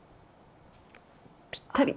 ぴったり！